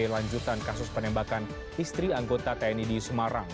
lanjutan kasus penembakan istri anggota tni di semarang